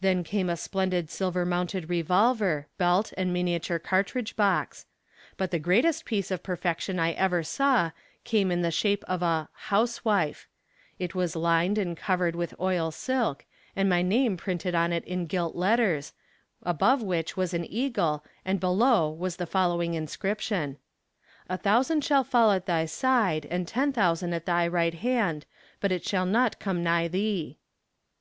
Then came a splendid silver mounted revolver, belt and miniature cartridge box. But the greatest piece of perfection I ever saw came in the shape of a "housewife;" it was lined and covered with oil silk, and my name printed on it in gilt letters, above which was an eagle, and below was the following inscription: "A thousand shall fall at thy side, and ten thousand at thy right hand; but it shall not come nigh thee."